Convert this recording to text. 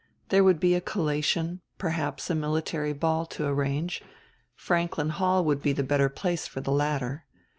There would be a collation, perhaps a military ball, to arrange; Franklin Hall would be the better place for the latter.